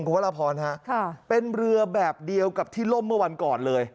คุณพระราพรเป็นเรือแบบเดียวกับที่ล่มเมื่อวันก่อนเลย